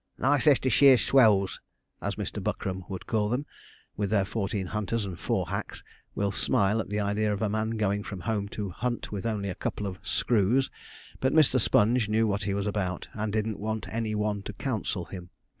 'Leicesterscheer swells,' as Mr. Buckram would call them, with their fourteen hunters and four hacks, will smile at the idea of a man going from home to hunt with only a couple of 'screws,' but Mr. Sponge knew what he was about, and didn't want any one to counsel him.